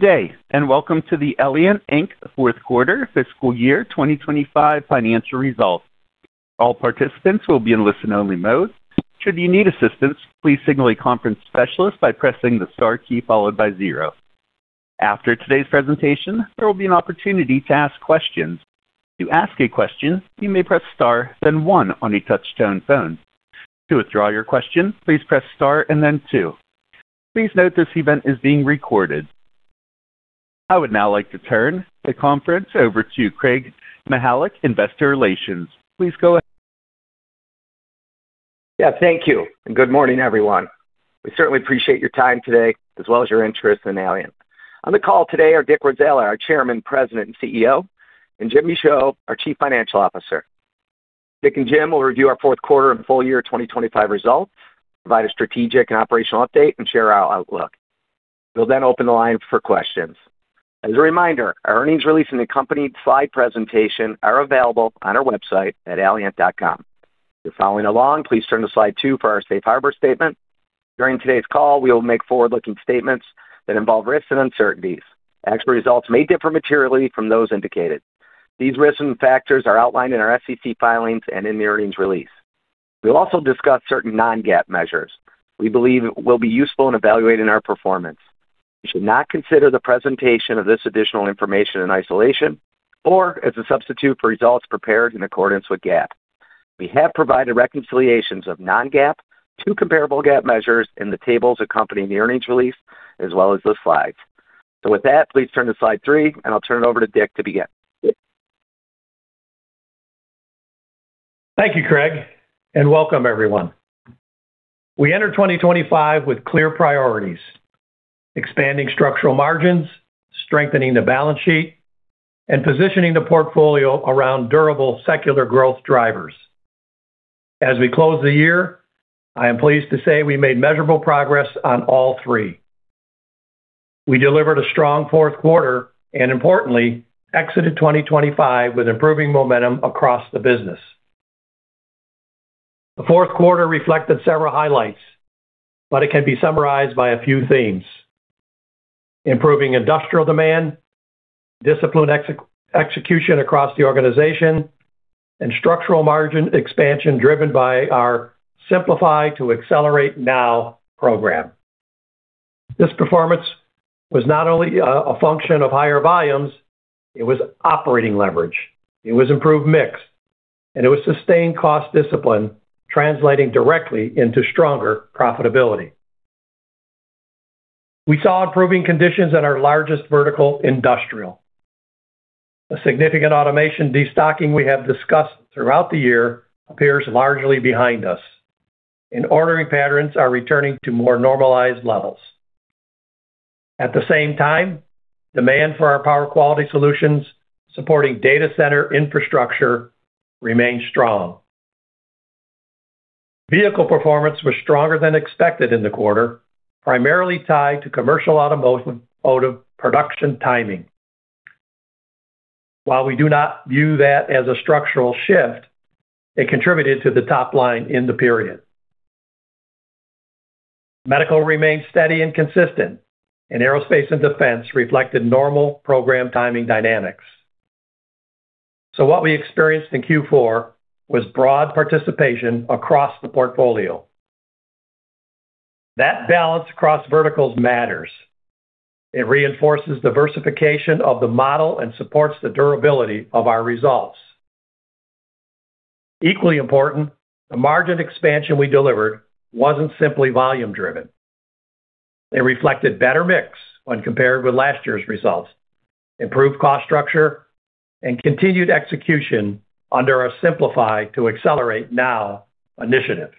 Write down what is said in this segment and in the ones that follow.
Day, welcome to the Allient Inc Q4 fiscal year 2025 financial results. All participants will be in listen-only mode. Should you need assistance, please signal a conference specialist by pressing the star key followed by zero. After today's presentation, there will be an opportunity to ask questions. To ask a question, you may press star then one on a touch-tone phone. To withdraw your question, please press star and then two. Please note this event is being recorded. I would now like to turn the conference over to Craig Mychajluk, Investor Relations. Please go ahead. Yeah, thank you, and good morning, everyone. We certainly appreciate your time today as well as your interest in Allient. On the call today are Dick Warzala, our Chairman, President, and CEO, and Jim Michaud, our Chief Financial Officer. Dick and Jim will review our Q4 and full year 2025 results, provide a strategic and operational update, and share our outlook. We'll then open the line for questions. As a reminder, our earnings release and accompanied slide presentation are available on our website at allient.com. If you're following along, please turn to slide two for our safe harbor statement. During today's call, we will make forward-looking statements that involve risks and uncertainties. Actual results may differ materially from those indicated. These risks and factors are outlined in our SEC filings and in the earnings release. We'll also discuss certain non-GAAP measures we believe will be useful in evaluating our performance. You should not consider the presentation of this additional information in isolation or as a substitute for results prepared in accordance with GAAP. We have provided reconciliations of non-GAAP to comparable GAAP measures in the tables accompanying the earnings release as well as the slides. With that, please turn to slide three, and I'll turn it over to Dick to begin. Thank you, Craig. Welcome everyone. We entered 2025 with clear priorities: expanding structural margins, strengthening the balance sheet, and positioning the portfolio around durable secular growth drivers. As we close the year, I am pleased to say we made measurable progress on all three. We delivered a strong Q4 and importantly exited 2025 with improving momentum across the business. The Q4 reflected several highlights, but it can be summarized by a few themes: improving industrial demand, disciplined execution across the organization, and structural margin expansion driven by our Simplify to Accelerate NOW program. This performance was not only a function of higher volumes, it was operating leverage, it was improved mix, and it was sustained cost discipline translating directly into stronger profitability. We saw improving conditions at our largest vertical, industrial. A significant automation destocking we have discussed throughout the year appears largely behind us, and ordering patterns are returning to more normalized levels. At the same time, demand for our power quality solutions supporting data center infrastructure remains strong. Vehicle performance was stronger than expected in the quarter, primarily tied to commercial auto production timing. While we do not view that as a structural shift, it contributed to the top line in the period. Medical remained steady and consistent, and aerospace and defense reflected normal program timing dynamics. What we experienced in Q4 was broad participation across the portfolio. That balance across verticals matters. It reinforces diversification of the model and supports the durability of our results. Equally important, the margin expansion we delivered wasn't simply volume driven. It reflected better mix when compared with last year's results, improved cost structure, and continued execution under our Simplify to Accelerate NOW initiative.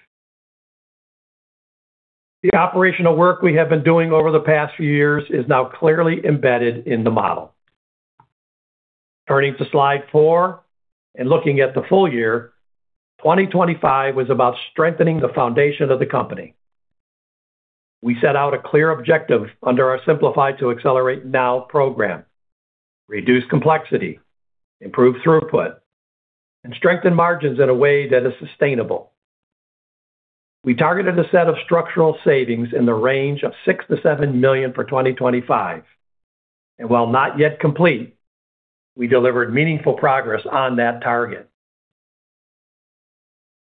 The operational work we have been doing over the past few years is now clearly embedded in the model. Turning to slide four and looking at the full year, 2025 was about strengthening the foundation of the company. We set out a clear objective under our Simplify to Accelerate NOW program: reduce complexity, improve throughput, and strengthen margins in a way that is sustainable. We targeted a set of structural savings in the range of $6 million-$7 million for 2025. While not yet complete, we delivered meaningful progress on that target.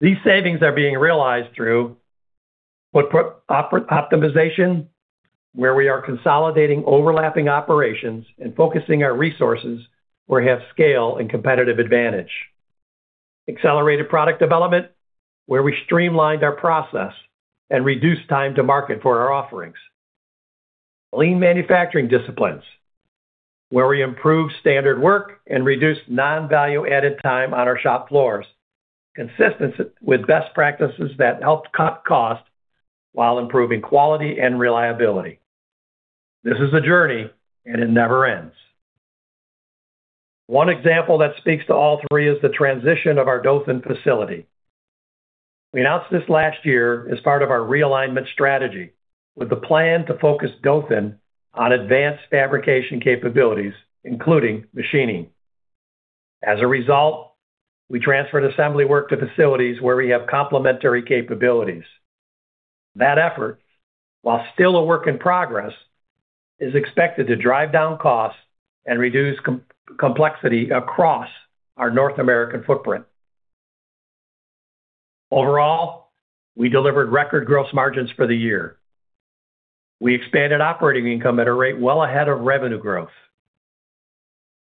These savings are being realized through foot optimization, where we are consolidating overlapping operations and focusing our resources where we have scale and competitive advantage. Accelerated product development, where we streamlined our process and reduced time to market for our offerings. Lean manufacturing disciplines, where we improved standard work and reduced non-value added time on our shop floors, consistent with best practices that helped cut cost while improving quality and reliability. This is a journey, and it never ends. One example that speaks to all three is the transition of our Dothan facility. We announced this last year as part of our realignment strategy with the plan to focus Dothan on advanced fabrication capabilities, including machining. As a result, we transferred assembly work to facilities where we have complementary capabilities. That effort, while still a work in progress, is expected to drive down costs and reduce complexity across our North American footprint. Overall, we delivered record gross margins for the year. We expanded operating income at a rate well ahead of revenue growth.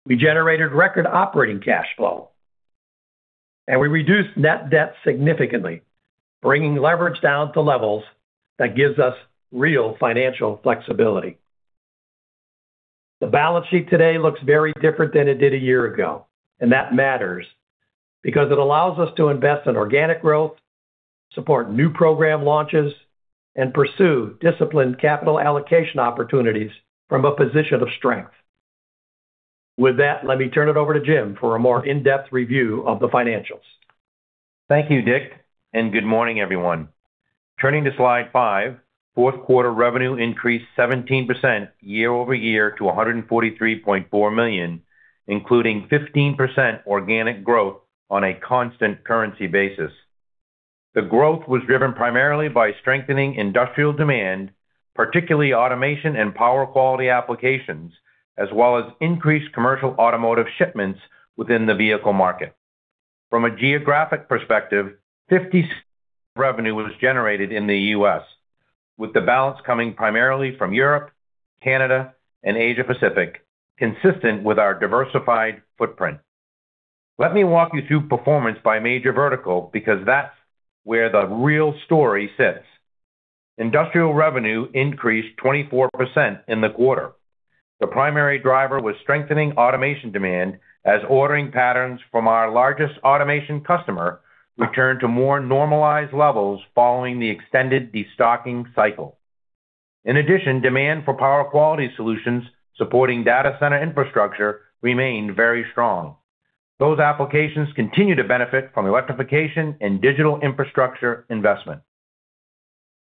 We generated record operating cash flow, and we reduced net debt significantly, bringing leverage down to levels that gives us real financial flexibility. The balance sheet today looks very different than it did a year ago, and that matters because it allows us to invest in organic growth, support new program launches, and pursue disciplined capital allocation opportunities from a position of strength. With that, let me turn it over to Jim for a more in-depth review of the financials. Thank you, Dick. Good morning, everyone. Turning to slide five. Q4 revenue increased 17% year-over-year to $143.4 million, including 15% organic growth on a constant currency basis. The growth was driven primarily by strengthening industrial demand, particularly automation and power quality applications, as well as increased commercial automotive shipments within the vehicle market. From a geographic perspective, 50% revenue was generated in the U.S., with the balance coming primarily from Europe, Canada, and Asia Pacific, consistent with our diversified footprint. Let me walk you through performance by major vertical, because that's where the real story sits. Industrial revenue increased 24% in the quarter. The primary driver was strengthening automation demand as ordering patterns from our largest automation customer returned to more normalized levels following the extended destocking cycle. In addition, demand for power quality solutions supporting data center infrastructure remained very strong. Those applications continue to benefit from electrification and digital infrastructure investment.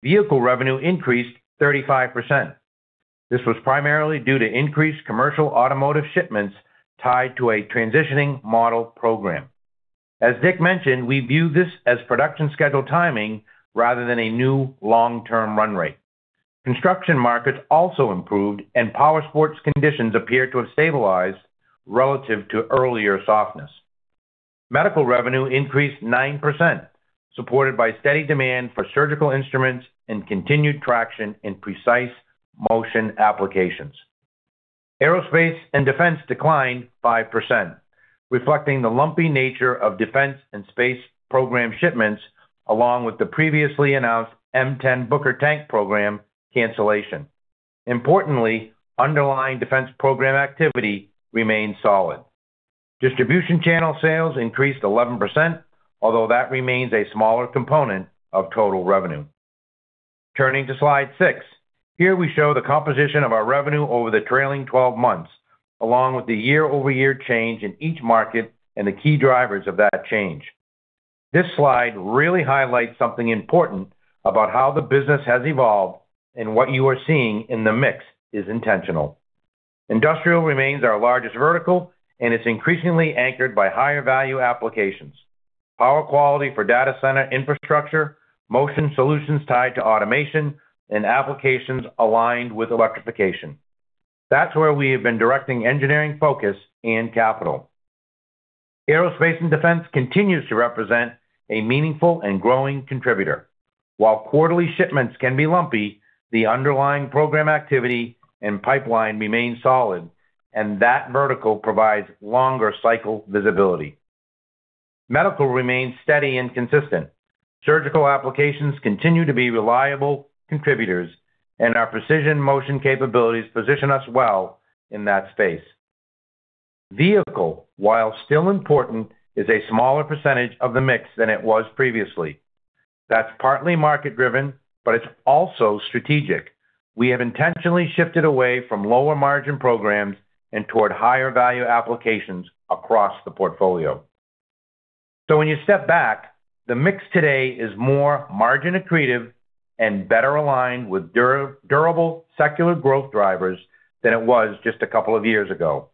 Vehicle revenue increased 35%. This was primarily due to increased commercial automotive shipments tied to a transitioning model program. As Dick mentioned, we view this as production schedule timing rather than a new long-term run rate. Construction markets also improved, and powersports conditions appear to have stabilized relative to earlier softness. Medical revenue increased 9%, supported by steady demand for surgical instruments and continued traction in precise motion applications. Aerospace and defense declined 5%, reflecting the lumpy nature of defense and space program shipments, along with the previously announced M10 Booker tank program cancellation. Importantly, underlying defense program activity remains solid. Distribution channel sales increased 11%, although that remains a smaller component of total revenue. Turning to slide six. Here, we show the composition of our revenue over the trailing 12 months, along with the year-over-year change in each market and the key drivers of that change. This slide really highlights something important about how the business has evolved and what you are seeing in the mix is intentional. Industrial remains our largest vertical, and it's increasingly anchored by higher value applications. Power quality for data center infrastructure, motion solutions tied to automation, and applications aligned with electrification. That's where we have been directing engineering focus and capital. Aerospace and defense continues to represent a meaningful and growing contributor. While quarterly shipments can be lumpy, the underlying program activity and pipeline remain solid, and that vertical provides longer cycle visibility. Medical remains steady and consistent. Surgical applications continue to be reliable contributors, and our precision motion capabilities position us well in that space. Vehicle, while still important, is a smaller percentage of the mix than it was previously. That's partly market-driven, but it's also strategic. We have intentionally shifted away from lower margin programs and toward higher value applications across the portfolio. When you step back, the mix today is more margin accretive and better aligned with durable secular growth drivers than it was just a couple of years ago.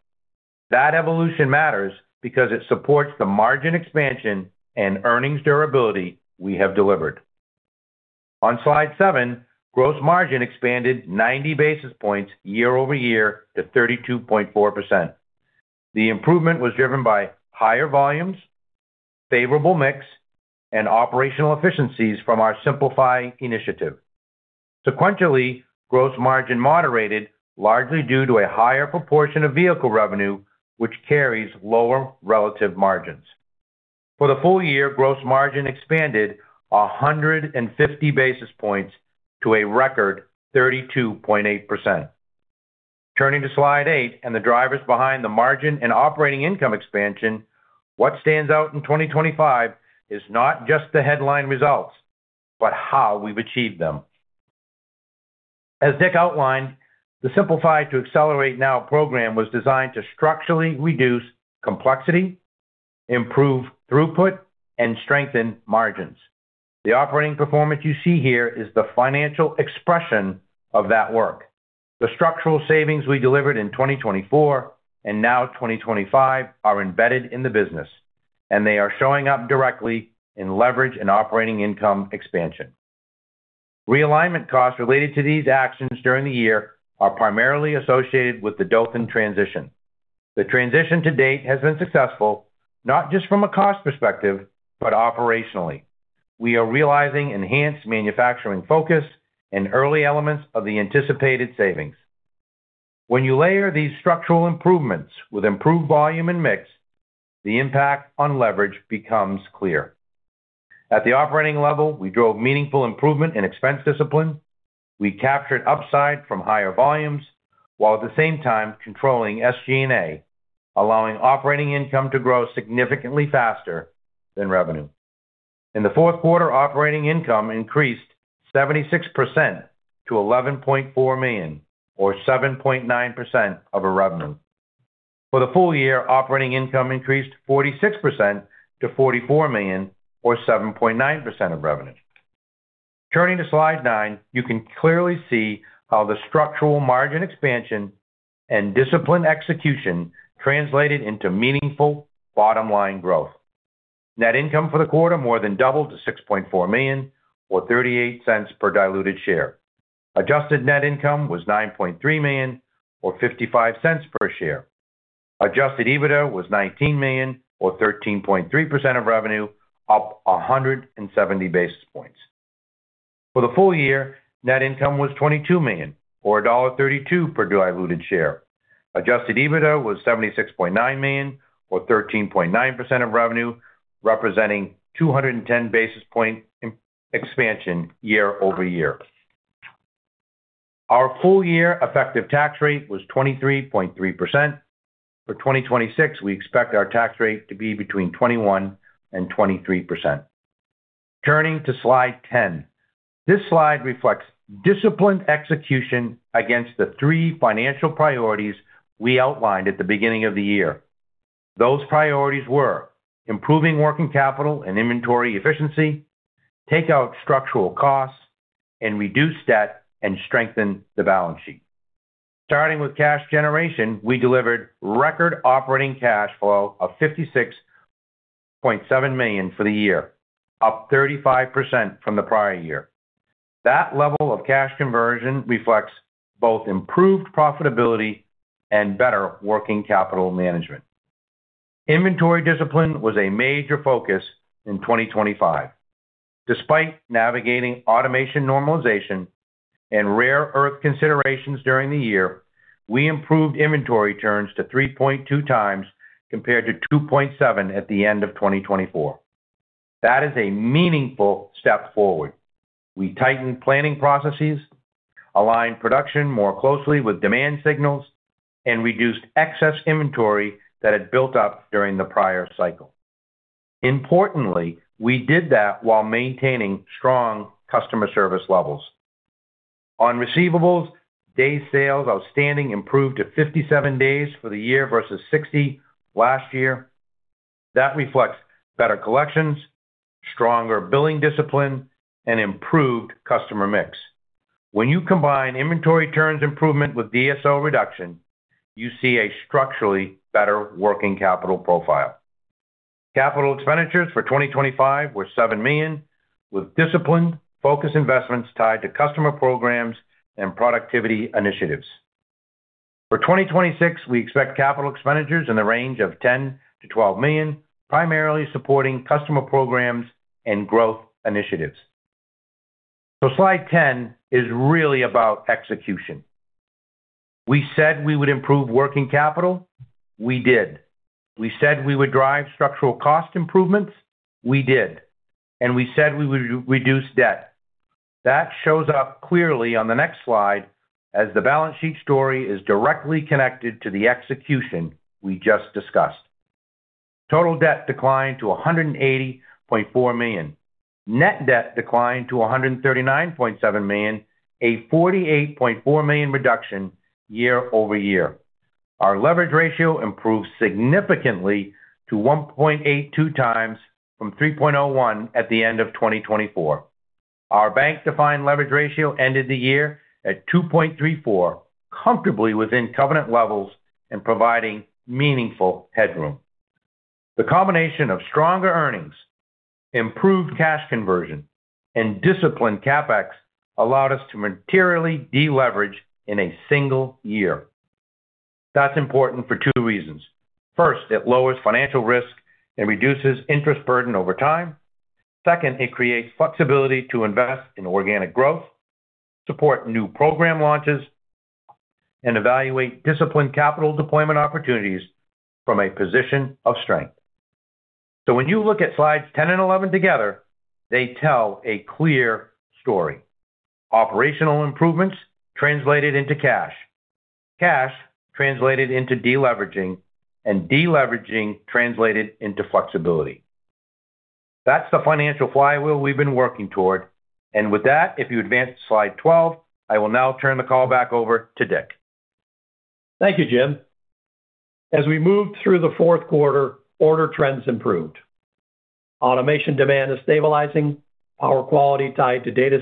That evolution matters because it supports the margin expansion and earnings durability we have delivered. On slide seven, gross margin expanded 90 basis points year-over-year to 32.4%. The improvement was driven by higher volumes, favorable mix, and operational efficiencies from our Simplify initiative. Sequentially, gross margin moderated largely due to a higher proportion of vehicle revenue, which carries lower relative margins. For the full year, gross margin expanded 150 basis points to a record 32.8%. Turning to slide eight and the drivers behind the margin and operating income expansion, what stands out in 2025 is not just the headline results, but how we've achieved them. As Dick outlined, the Simplify to Accelerate NOW program was designed to structurally reduce complexity, improve throughput, and strengthen margins. The operating performance you see here is the financial expression of that work. The structural savings we delivered in 2024 and now 2025 are embedded in the business, and they are showing up directly in leverage and operating income expansion. Realignment costs related to these actions during the year are primarily associated with the Dothan transition. The transition to date has been successful, not just from a cost perspective, but operationally. We are realizing enhanced manufacturing focus and early elements of the anticipated savings. When you layer these structural improvements with improved volume and mix, the impact on leverage becomes clear. At the operating level, we drove meaningful improvement in expense discipline. We captured upside from higher volumes, while at the same time controlling SG&A, allowing operating income to grow significantly faster than revenue. In the fourth quarter, operating income increased 76% to $11.4 million, or 7.9% of our revenue. For the full year, operating income increased 46% to $44 million, or 7.9% of revenue. Turning to slide nine, you can clearly see how the structural margin expansion and disciplined execution translated into meaningful bottom-line growth. Net income for the quarter more than doubled to $6.4 million, or $0.38 per diluted share. Adjusted net income was $9.3 million or $0.55 per share. Adjusted EBITDA was $19 million or 13.3% of revenue, up 170 basis points. For the full year, net income was $22 million or $1.32 per diluted share. Adjusted EBITDA was $76.9 million or 13.9% of revenue, representing 210 basis point expansion year-over-year. Our full year effective tax rate was 23.3%. For 2026, we expect our tax rate to be between 21% and 23%. Turning to slide 10. This slide reflects disciplined execution against the three financial priorities we outlined at the beginning of the year. Those priorities were: improving working capital and inventory efficiency, take out structural costs, and reduce debt and strengthen the balance sheet. Starting with cash generation, we delivered record operating cash flow of $56.7 million for the year, up 35% from the prior year. That level of cash conversion reflects both improved profitability and better working capital management. Inventory discipline was a major focus in 2025. Despite navigating automation normalization and rare earth considerations during the year, we improved inventory turns to 3.2x compared to 2.7 at the end of 2024. That is a meaningful step forward. We tightened planning processes, aligned production more closely with demand signals, and reduced excess inventory that had built up during the prior cycle. Importantly, we did that while maintaining strong customer service levels. On receivables, day sales outstanding improved to 57 days for the year versus 60 last year. That reflects better collections, stronger billing discipline, and improved customer mix. When you combine inventory turns improvement with DSO reduction, you see a structurally better working capital profile. Capital expenditures for 2025 were $7 million, with disciplined focus investments tied to customer programs and productivity initiatives. For 2026, we expect capital expenditures in the range of $10 million-$12 million, primarily supporting customer programs and growth initiatives. Slide 10 is really about execution. We said we would improve working capital, we did. We said we would drive structural cost improvements, we did. We said we would reduce debt. That shows up clearly on the next slide as the balance sheet story is directly connected to the execution we just discussed. Total debt declined to $180.4 million. Net debt declined to $139.7 million, a $48.4 million reduction year-over-year. Our leverage ratio improved significantly to 1.82x from 3.01 at the end of 2024. Our bank-defined leverage ratio ended the year at 2.34, comfortably within covenant levels and providing meaningful headroom. The combination of stronger earnings, improved cash conversion, and disciplined CapEx allowed us to materially deleverage in a single year. That's important for two reasons. First, it lowers financial risk and reduces interest burden over time. Second, it creates flexibility to invest in organic growth, support new program launches, and evaluate disciplined capital deployment opportunities from a position of strength. When you look at slides 10 and 11 together, they tell a clear story. Operational improvements translated into cash. Cash translated into deleveraging, and deleveraging translated into flexibility. That's the financial flywheel we've been working toward. With that, if you advance to slide 12, I will now turn the call back over to Dick. Thank you, Jim. As we moved through the Q4, order trends improved. Automation demand is stabilizing, power quality tied to data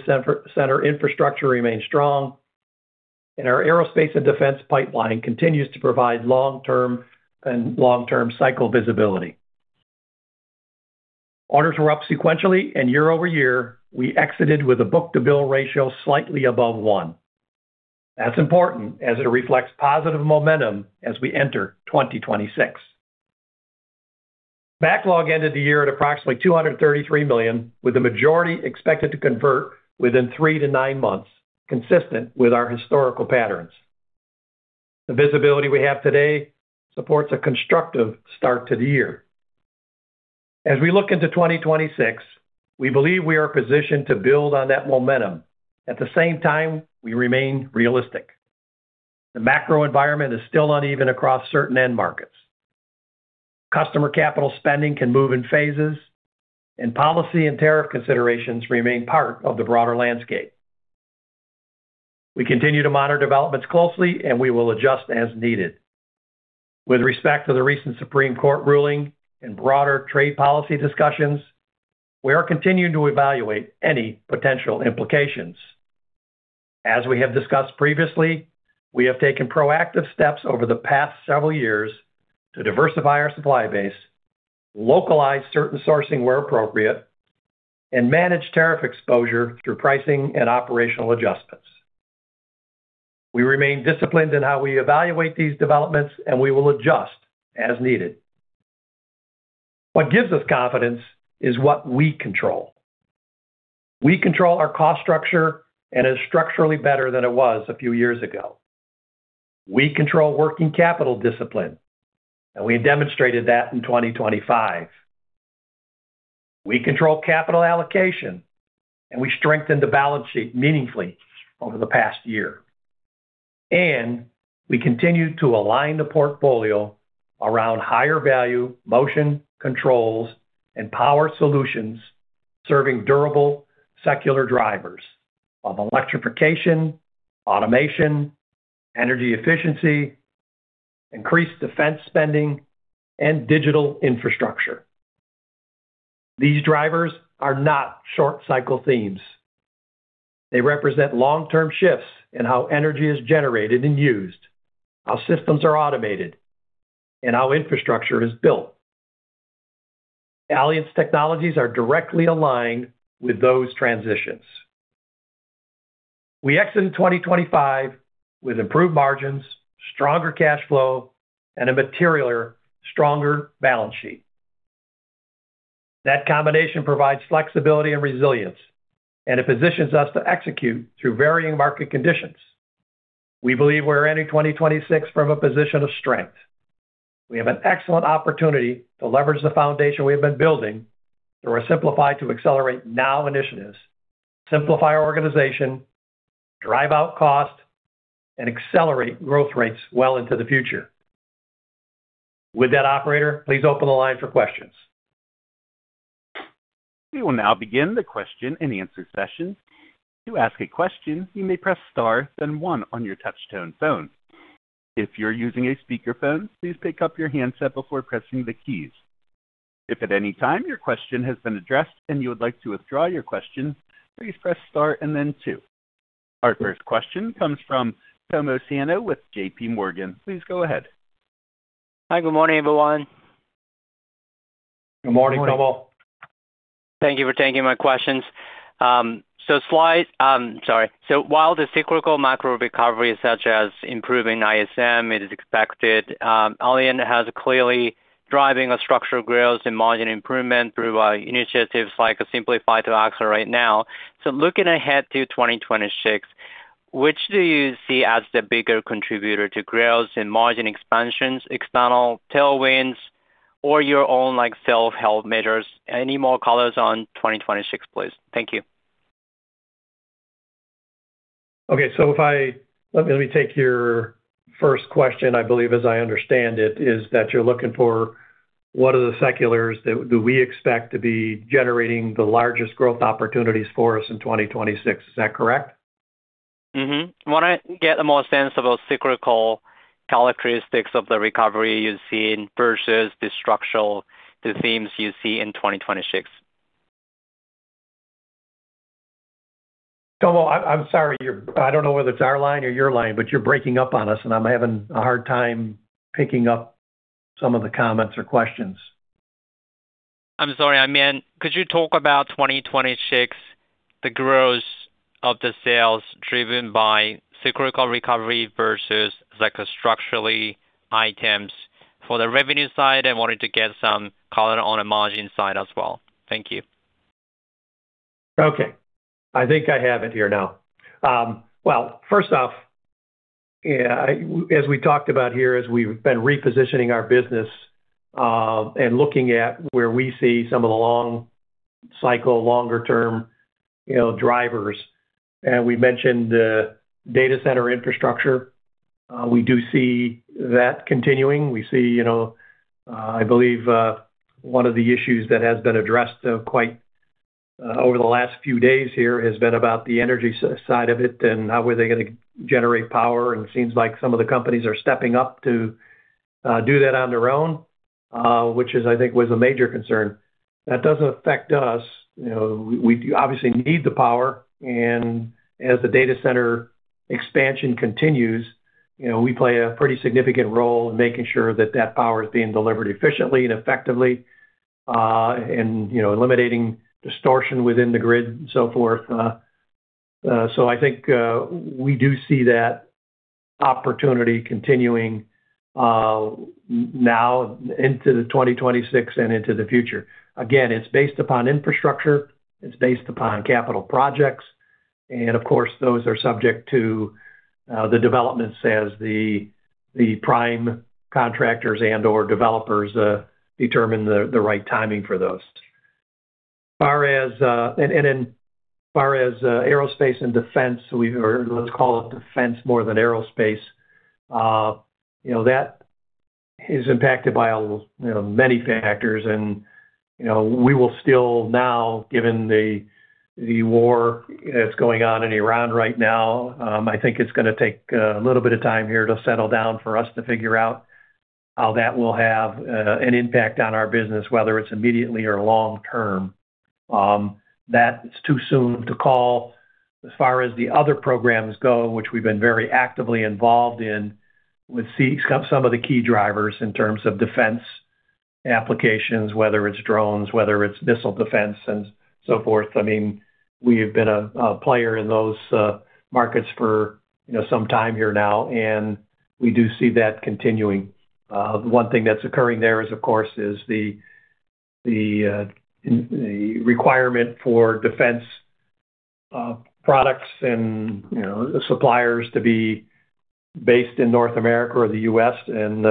center infrastructure remains strong, and our aerospace and defense pipeline continues to provide long-term cycle visibility. Orders were up sequentially and year-over-year, we exited with a book-to-bill ratio slightly above one. That's important as it reflects positive momentum as we enter 2026. Backlog ended the year at approximately $233 million, with the majority expected to convert within three to nine months, consistent with our historical patterns. The visibility we have today supports a constructive start to the year. As we look into 2026, we believe we are positioned to build on that momentum. At the same time, we remain realistic. The macro environment is still uneven across certain end markets. Customer capital spending can move in phases. Policy and tariff considerations remain part of the broader landscape. We continue to monitor developments closely. We will adjust as needed. With respect to the recent Supreme Court ruling and broader trade policy discussions, we are continuing to evaluate any potential implications. As we have discussed previously, we have taken proactive steps over the past several years to diversify our supply base, localize certain sourcing where appropriate, and manage tariff exposure through pricing and operational adjustments. We remain disciplined in how we evaluate these developments. We will adjust as needed. What gives us confidence is what we control. We control our cost structure. It's structurally better than it was a few years ago. We control working capital discipline. We demonstrated that in 2025. We control capital allocation, and we strengthened the balance sheet meaningfully over the past year. We continue to align the portfolio around higher value motion controls and power solutions, serving durable secular drivers of electrification, automation, energy efficiency, increased defense spending, and digital infrastructure. These drivers are not short cycle themes. They represent long-term shifts in how energy is generated and used, how systems are automated, and how infrastructure is built. Allient's technologies are directly aligned with those transitions. We exit 2025 with improved margins, stronger cash flow, and a materially stronger balance sheet. That combination provides flexibility and resilience, and it positions us to execute through varying market conditions. We believe we're ending 2026 from a position of strength. We have an excellent opportunity to leverage the foundation we have been building through our Simplify to Accelerate NOW initiatives, simplify our organization, drive out cost, and accelerate growth rates well into the future. With that, operator, please open the line for questions. We will now begin the question-and-answer session. To ask a question, you may press star, then one on your touchtone phone. If you're using a speakerphone, please pick up your handset before pressing the keys. If at any time your question has been addressed and you would like to withdraw your question, please press star and then two. Our first question comes from Tomo Sano with JPMorgan. Please go ahead. Hi, good morning, everyone. Good morning, Tomo. Thank you for taking my questions. Sorry. While the cyclical macro recovery, such as improving ISM, it is expected, Allient's has clearly driving a structural growth and margin improvement through initiatives like Simplify to Accelerate NOW. Looking ahead to 2026, which do you see as the bigger contributor to growth and margin expansions, external tailwinds or your own, like self-help measures? Any more colors on 2026, please? Thank you. Okay. Let me take your first question. I believe as I understand it is that you're looking for what are the seculars that do we expect to be generating the largest growth opportunities for us in 2026. Is that correct? I wanna get a more sense about cyclical characteristics of the recovery you're seeing versus the structural, the themes you see in 2026. Tomo, I'm sorry. I don't know whether it's our line or your line, but you're breaking up on us, and I'm having a hard time picking up some of the comments or questions. I'm sorry. I meant, could you talk about 2026, the growth of the sales driven by cyclical recovery versus like a structurally items for the revenue side? I wanted to get some color on the margin side as well. Thank you. Okay. I think I have it here now. Well, first off, yeah, as we talked about here, as we've been repositioning our business, and looking at where we see some of the long cycle, longer term, you know, drivers, and we mentioned the data center infrastructure, we do see that continuing. We see, you know, I believe, one of the issues that has been addressed of quite over the last few days here has been about the energy side of it and how were they gonna generate power. It seems like some of the companies are stepping up to do that on their own, which is I think was a major concern. That doesn't affect us. You know, we do obviously need the power, and as the data center expansion continues, you know, we play a pretty significant role in making sure that that power is being delivered efficiently and effectively, and, you know, eliminating distortion within the grid and so forth. I think we do see that opportunity continuing now into 2026 and into the future. Again, it's based upon infrastructure, it's based upon capital projects, and of course, those are subject to the developments as the prime contractors and/or developers determine the right timing for those. Then far as aerospace and defense, we've heard let's call it defense more than aerospace. You know, that is impacted by, you know, many factors. You know, we will still now, given the war that's going on in Iran right now, I think it's gonna take a little bit of time here to settle down for us to figure out how that will have an impact on our business, whether it's immediately or long term. That's too soon to call. As far as the other programs go, which we've been very actively involved in with some of the key drivers in terms of defense applications, whether it's drones, whether it's missile defense and so forth, I mean, we have been a player in those markets for, you know, some time here now, and we do see that continuing. One thing that's occurring there is, of course, is the requirement for defense products and, you know, suppliers to be based in North America or the U.S. and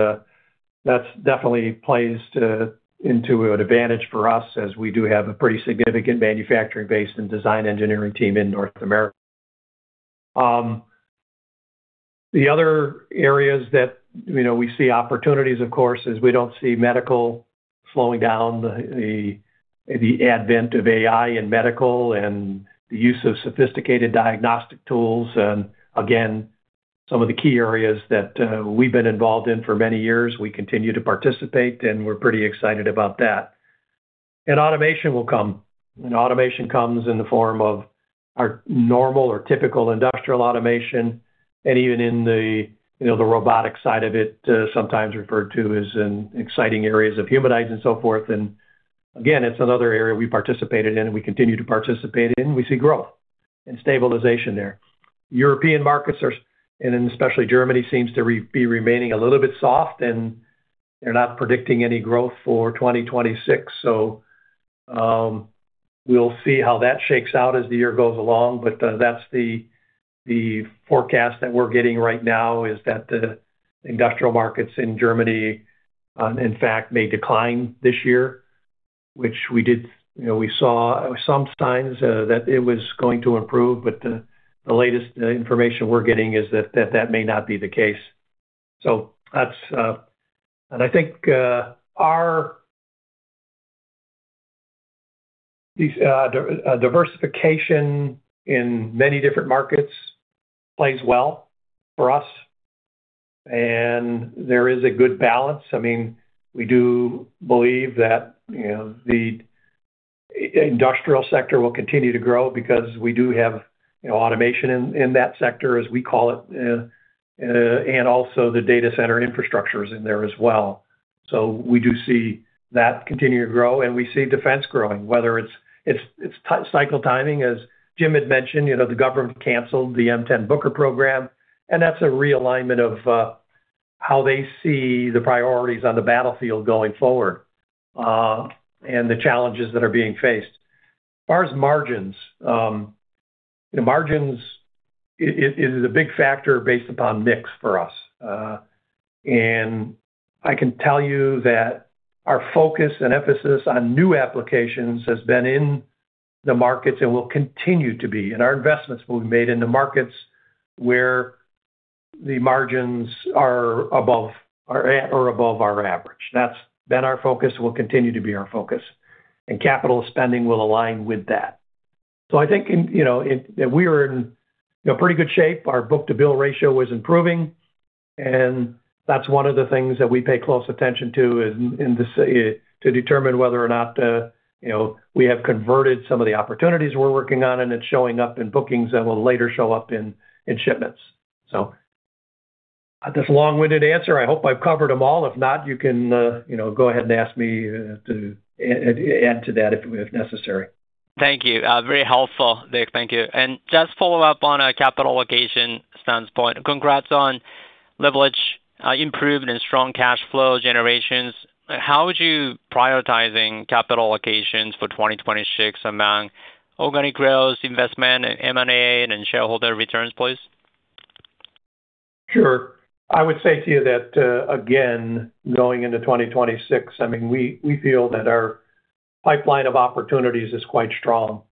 that's definitely plays into an advantage for us as we do have a pretty significant manufacturing base and design engineering team in North America. The other areas that, you know, we see opportunities, of course, is we don't see medical slowing down. The advent of AI in medical and the use of sophisticated diagnostic tools and again, some of the key areas that we've been involved in for many years, we continue to participate, and we're pretty excited about that. Automation will come. Automation comes in the form of our normal or typical industrial automation. Even in the, you know, the robotic side of it, sometimes referred to as in exciting areas of humanoids and so forth. Again, it's another area we participated in and we continue to participate in. We see growth and stabilization there. European markets are... and especially Germany, seems to be remaining a little bit soft, and they're not predicting any growth for 2026. We'll see how that shakes out as the year goes along, but that's the forecast that we're getting right now, is that the industrial markets in Germany, in fact, may decline this year, which we did. You know, we saw some signs that it was going to improve, but the latest information we're getting is that that may not be the case. That's... I think our... These diversification in many different markets plays well for us. There is a good balance. I mean, we do believe that, you know, the industrial sector will continue to grow because we do have, you know, automation in that sector, as we call it, and also the data center infrastructure is in there as well. We do see that continue to grow, and we see defense growing, whether it's cycle timing. As Jim had mentioned, you know, the government canceled the M10 Booker program, that's a realignment of how they see the priorities on the battlefield going forward, and the challenges that are being faced. As far as margins, the margins is a big factor based upon mix for us. I can tell you that our focus and emphasis on new applications has been in the markets and will continue to be, and our investments will be made in the markets where the margins are above our average. That's been our focus and will continue to be our focus, and capital spending will align with that. I think, you know, that we are in pretty good shape. Our book-to-bill ratio is improving, and that's one of the things that we pay close attention to in this to determine whether or not, you know, we have converted some of the opportunities we're working on and it's showing up in bookings that will later show up in shipments. This long-winded answer, I hope I've covered them all. If not, you can, you know, go ahead and ask me to add to that if necessary. Thank you. Very helpful, Dick. Thank you. Just follow up on a capital allocation standpoint. Congrats on leverage, improved and strong cash flow generations. How would you prioritizing capital allocations for 2026 among organic growth, investment, M&A, and shareholder returns, please? Sure. I would say to you that, again, going into 2026, I mean, we feel that our pipeline of opportunities is quite strong.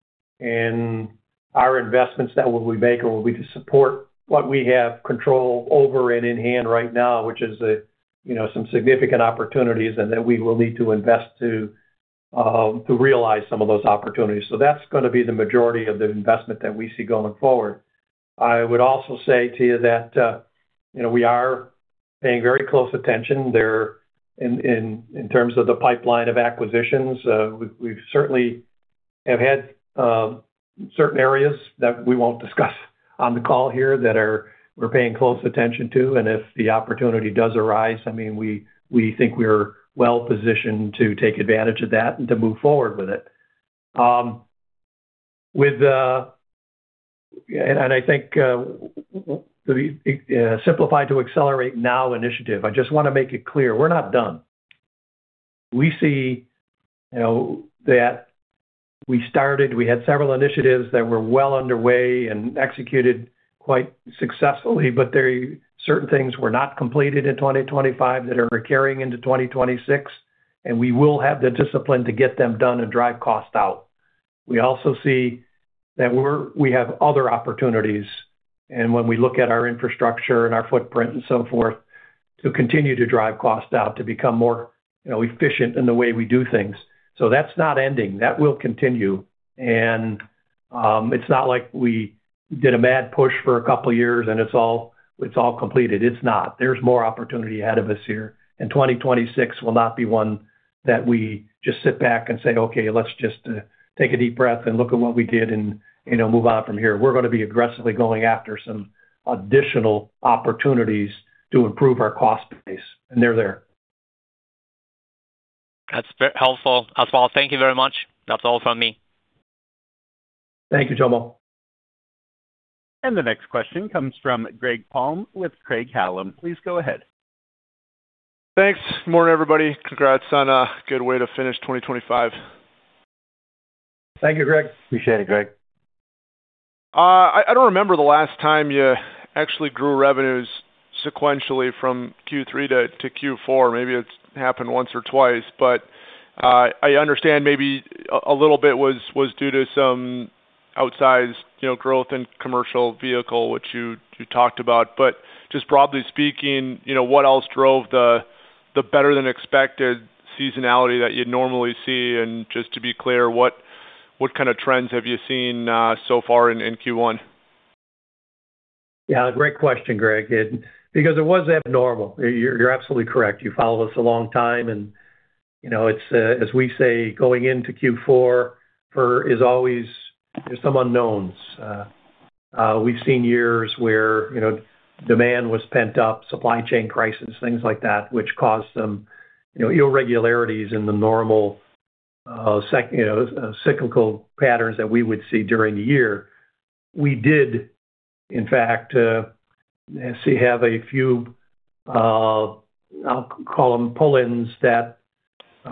Our investments that we make will be to support what we have control over and in hand right now, which is, you know, some significant opportunities and that we will need to invest to realize some of those opportunities. That's gonna be the majority of the investment that we see going forward. I would also say to you that, you know, we are paying very close attention there in terms of the pipeline of acquisitions. We certainly have had certain areas that we won't discuss on the call here that we're paying close attention to. If the opportunity does arise, I mean, we think we're well-positioned to take advantage of that and to move forward with it. I think Simplify to Accelerate NOW initiative, I just wanna make it clear, we're not done. We see, you know, that we started, we had several initiatives that were well underway and executed quite successfully, but there are certain things were not completed in 2025 that are carrying into 2026, and we will have the discipline to get them done and drive costs out. We also see that we have other opportunities, and when we look at our infrastructure and our footprint and so forth, to continue to drive costs out to become more, you know, efficient in the way we do things. That's not ending. That will continue. It's not like we did a mad push for a couple of years, and it's all, it's all completed. It's not. There's more opportunity ahead of us here. 2026 will not be one that we just sit back and say, "Okay, let's just take a deep breath and look at what we did and, you know, move on from here." We're gonna be aggressively going after some additional opportunities to improve our cost base, and they're there. That's very helpful as well. Thank you very much. That's all from me. Thank you, Tomo. The next question comes from Greg Palm with Craig-Hallum. Please go ahead. Thanks. Morning, everybody. Congrats on a good way to finish 2025. Thank you, Greg. Appreciate it, Greg. I don't remember the last time you actually grew revenues sequentially from Q3 to Q4. Maybe it's happened once or twice, but I understand maybe a little bit was due to some outsized, you know, growth in commercial vehicle, which you talked about. Just broadly speaking, you know, what else drove the better than expected seasonality that you'd normally see? Just to be clear, what kind of trends have you seen so far in Q1? Yeah. Great question, Greg. Because it was abnormal, you're absolutely correct. You followed us a long time and, you know, it's, as we say, going into Q4, for is always some unknowns. We've seen years where, you know, demand was pent up, supply chain crisis, things like that, which caused some, you know, irregularities in the normal cyclical patterns that we would see during the year. We did, in fact, have a few, I'll call them pull-ins that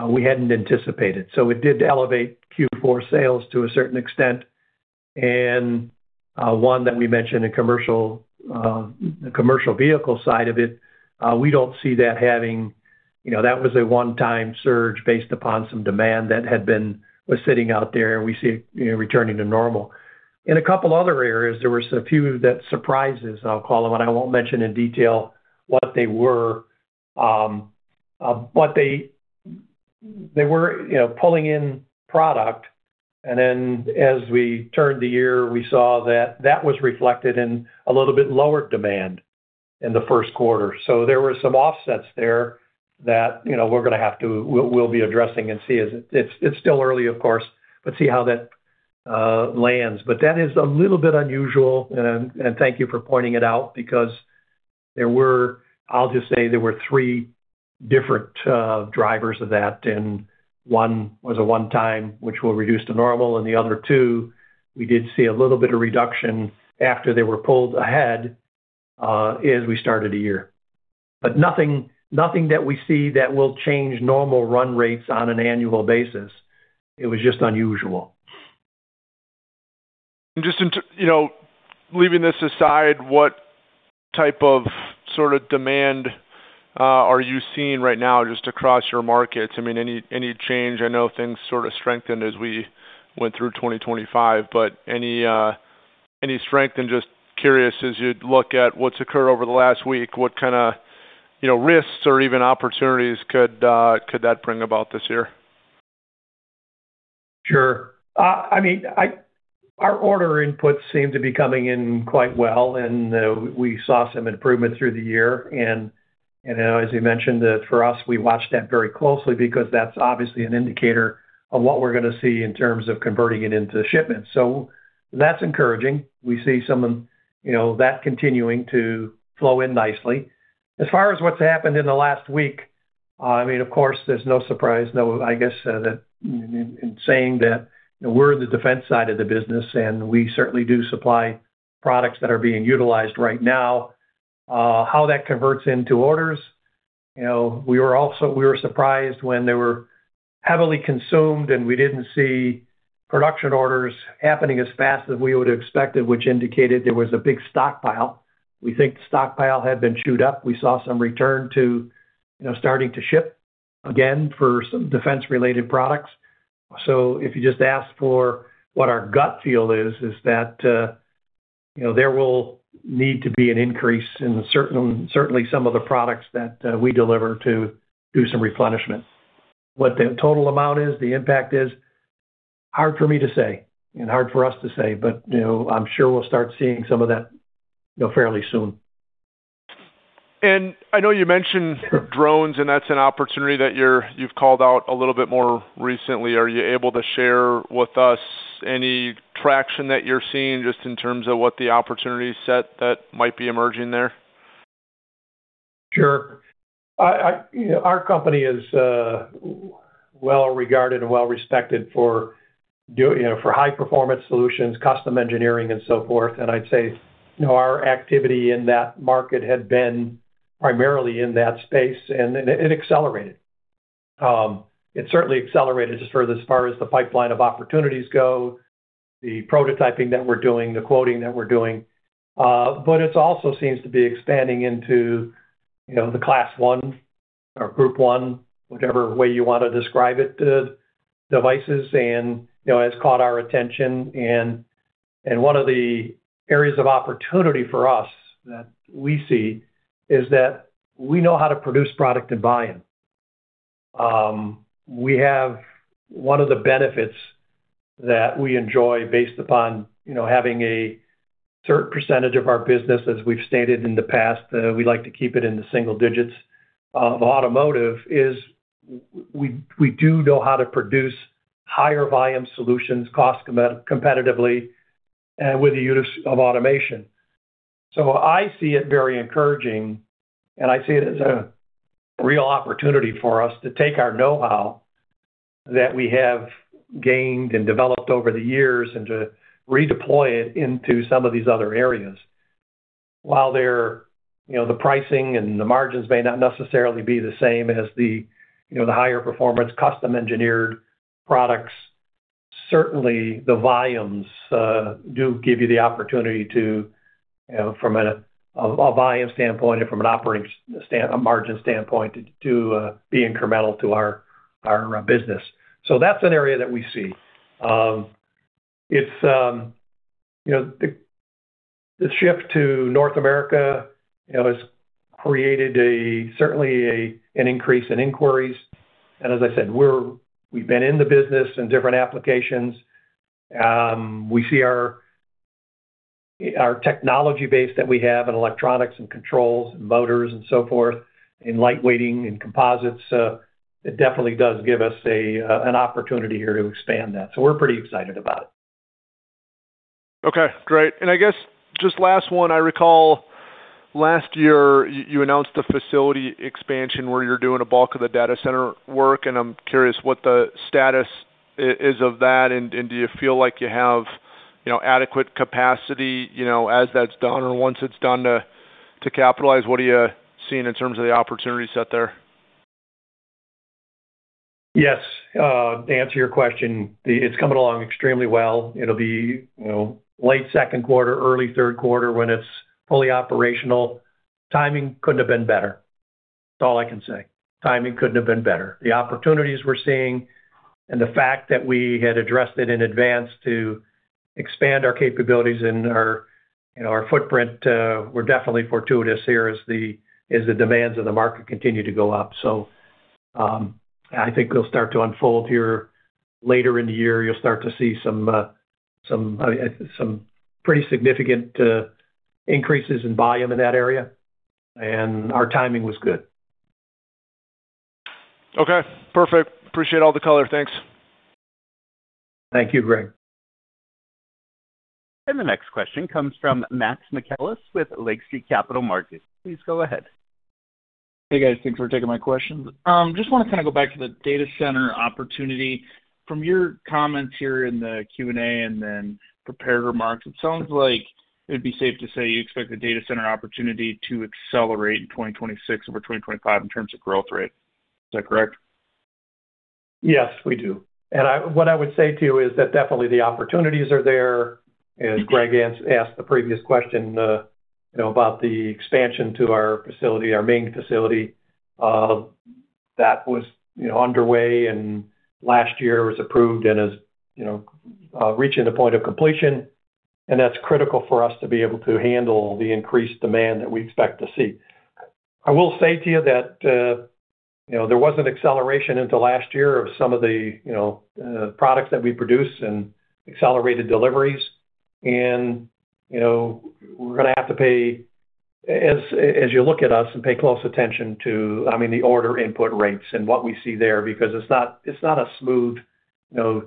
we hadn't anticipated. It did elevate Q4 sales to a certain extent. One that we mentioned in commercial, the commercial vehicle side of it, we don't see that having... You know, that was a one-time surge based upon some demand that was sitting out there and we see, you know, returning to normal. In a couple other areas, there were a few that surprises, I'll call them, and I won't mention in detail what they were, but they were, you know, pulling in product and then as we turned the year, we saw that that was reflected in a little bit lower demand in the Q1. There were some offsets there that, you know, we're gonna have to we'll be addressing and see as it's still early, of course, but see how that lands. That is a little bit unusual, and thank you for pointing it out because there were, I'll just say there were three different drivers of that, and one was a one time, which will reduce to normal. The other two, we did see a little bit of reduction after they were pulled ahead, as we started the year. Nothing that we see that will change normal run rates on an annual basis. It was just unusual. Just You know, leaving this aside, what type of sort of demand, are you seeing right now just across your markets? I mean, any change? I know things sort of strengthened as we went through 2025, but any strength? Just curious, as you look at what's occurred over the last week, what kind of, you know, risks or even opportunities could that bring about this year? Sure. I mean, Our order inputs seem to be coming in quite well, and we saw some improvement through the year. You know, as you mentioned, for us, we watch that very closely because that's obviously an indicator of what we're gonna see in terms of converting it into shipments. That's encouraging. We see some of, you know, that continuing to flow in nicely. As far as what's happened in the last week, I mean, of course, there's no surprise, no, I guess, that in saying that we're the defense side of the business, and we certainly do supply products that are being utilized right now. How that converts into orders, you know, we were surprised when they were heavily consumed and we didn't see production orders happening as fast as we would have expected, which indicated there was a big stockpile. We think the stockpile had been chewed up. We saw some return to, you know, starting to ship. Again, for some defense-related products. If you just ask for what our gut feel is that, you know, there will need to be an increase in certain, certainly some of the products that, we deliver to do some replenishment. What the total amount is, the impact is, hard for me to say and hard for us to say, you know, I'm sure we'll start seeing some of that, you know, fairly soon. I know you mentioned drones, and that's an opportunity that you've called out a little bit more recently. Are you able to share with us any traction that you're seeing just in terms of what the opportunity set that might be emerging there? Sure. I... You know, our company is well regarded and well respected for, you know, for high performance solutions, custom engineering and so forth. I'd say, you know, our activity in that market had been primarily in that space, and it accelerated. It certainly accelerated as far as the pipeline of opportunities go, the prototyping that we're doing, the quoting that we're doing. But it also seems to be expanding into, you know, the class one or group one, whatever way you wanna describe it, devices. You know, it's caught our attention and one of the areas of opportunity for us that we see is that we know how to produce product and volume. We have one of the benefits that we enjoy based upon, you know, having a certain percentage of our business, as we've stated in the past, we like to keep it in the single digits of automotive, we do know how to produce higher volume solutions cost competitively and with the use of automation. I see it very encouraging, and I see it as a real opportunity for us to take our know-how that we have gained and developed over the years and to redeploy it into some of these other areas. While they're, you know, the pricing and the margins may not necessarily be the same as the, you know, the higher performance, custom engineered products. Certainly, the volumes do give you the opportunity to, you know, from a volume standpoint and from an operating margin standpoint to be incremental to our business. That's an area that we see. It's, you know, the shift to North America, you know, has created a certainly an increase in inquiries. As I said, we've been in the business in different applications. We see our technology base that we have in electronics and controls and motors and so forth, in light weighting and composites. It definitely does give us an opportunity here to expand that. We're pretty excited about it. Okay, great. I guess just last one. I recall last year you announced a facility expansion where you're doing a bulk of the data center work, and I'm curious what the status is of that. Do you feel like you have, you know, adequate capacity, you know, as that's done or once it's done to capitalize? What are you seeing in terms of the opportunity set there? Yes. To answer your question, it's coming along extremely well. It'll be, you know, late Q2, early Q3 when it's fully operational. Timing couldn't have been better. That's all I can say. Timing couldn't have been better. The opportunities we're seeing and the fact that we had addressed it in advance to expand our capabilities and our, you know, our footprint, were definitely fortuitous here as the, as the demands of the market continue to go up. I think it'll start to unfold here later in the year. You'll start to see some pretty significant increases in volume in that area, and our timing was good. Okay, perfect. Appreciate all the color. Thanks. Thank you, Greg. The next question comes from Max Michaelis with Lake Street Capital Markets. Please go ahead. Hey, guys. Thanks for taking my questions. Just wanna kinda go back to the data center opportunity. From your comments here in the Q&A and then prepared remarks, it sounds like it'd be safe to say you expect the data center opportunity to accelerate in 2026 over 2025 in terms of growth rate. Is that correct? Yes, we do. What I would say to you is that definitely the opportunities are there. As Greg asked the previous question, you know, about the expansion to our facility, our main facility, that was, you know, underway and last year was approved and is, you know, reaching the point of completion. That's critical for us to be able to handle the increased demand that we expect to see. I will say to you that, you know, there was an acceleration into last year of some of the, you know, products that we produce and accelerated deliveries. You know, we're gonna have to pay. As you look at us and pay close attention to, I mean, the order input rates and what we see there, because it's not, it's not a smooth, you know,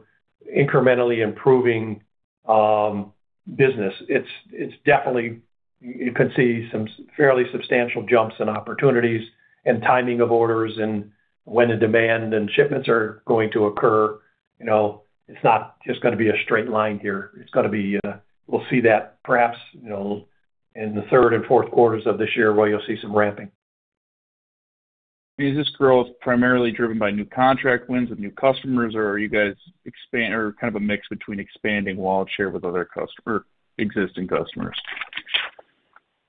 incrementally improving business. It's definitely. You can see some fairly substantial jumps and opportunities and timing of orders and when the demand and shipments are going to occur. You know, it's not just gonna be a straight line here. It's gonna be. We'll see that perhaps, you know, in the third and fourth quarters of this year where you'll see some ramping. Is this growth primarily driven by new contract wins with new customers, or kind of a mix between expanding wallet share with or existing customers?